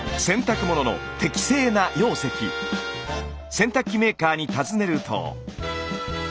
洗濯機メーカーに尋ねると。